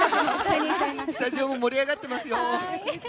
スタジオも盛り上がってますよ。